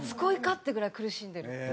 ってぐらい苦しんでる。